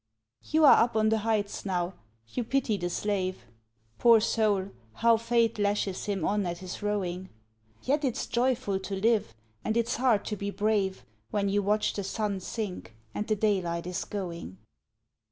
You are up on the heights now, you pity the slave "Poor soul, how fate lashes him on at his rowing! Yet it's joyful to live, and it's hard to be brave When you watch the sun sink and the daylight is going."